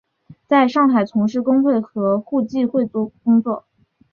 在上海从事工会和互济会工作。